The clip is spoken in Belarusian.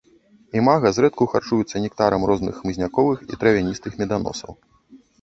Імага зрэдку харчуюцца нектарам розных хмызняковых і травяністых меданосаў.